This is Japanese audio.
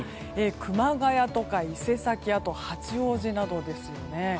熊谷とか伊勢崎八王子などですね。